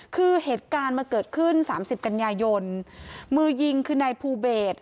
คือเหตุการณ์มันเกิดขึ้นสามสิบกันยายนมือยิงคือนายภูเบศ